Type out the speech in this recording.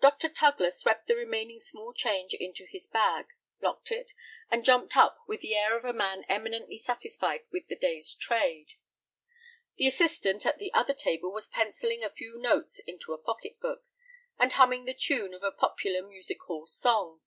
Dr. Tugler swept the remaining small change into his bag, locked it, and jumped up with the air of a man eminently satisfied with the day's trade. The assistant at the other table was pencilling a few notes into a pocket book, and humming the tune of a popular, music hall song.